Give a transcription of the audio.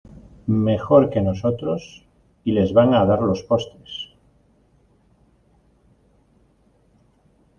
mejor que nosotros y les van a dar los postres.